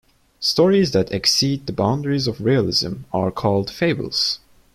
Stories that exceed the boundaries of "realism" are called "fables".